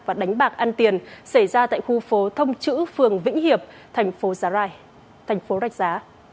và đánh bạc ăn tiền xảy ra tại khu phố thông chữ phường vĩnh hiệp thành phố rạch giá